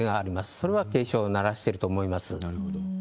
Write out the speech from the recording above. それは警鐘を鳴らしていると思いなるほど。